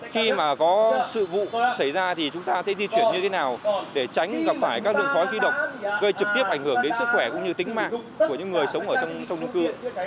khi mà có sự vụ xảy ra thì chúng ta sẽ di chuyển như thế nào để tránh gặp phải các lượng khói khí độc gây trực tiếp ảnh hưởng đến sức khỏe cũng như tính mạng của những người sống ở trong trung cư